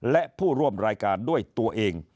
และผู้ร่วมรายการด้วยตัวเอง